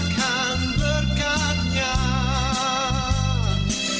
dia setia curahkan berkatnya